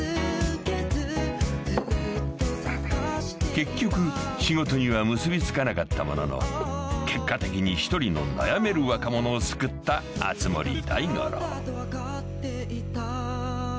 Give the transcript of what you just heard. ［結局仕事には結び付かなかったものの結果的に１人の悩める若者を救った熱護大五郎］